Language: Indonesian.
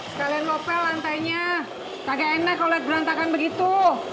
sekalian lopel lantainya kagak enak kalau berantakan begitu